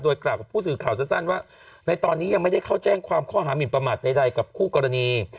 กล่าวกับผู้สื่อข่าวสั้นว่าในตอนนี้ยังไม่ได้เข้าแจ้งความข้อหามินประมาทใดกับคู่กรณี